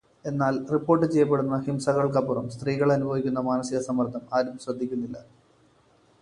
എന്നാൽ റിപ്പോർട് ചെയ്യപ്പെടുന്ന ഹിംസകൾക്കപ്പുറം സ്ത്രീകൾ അനുഭവിക്കുന്ന മാനസികസമ്മർദം ആരും ശ്രദ്ധിക്കുന്നില്ല.